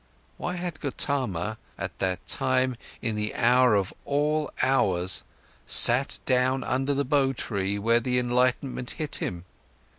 Why had Gotama, at that time, in the hour of all hours, sat down under the bo tree, where the enlightenment hit him?